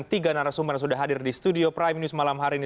tiga narasumber yang sudah hadir di studio prime news malam hari ini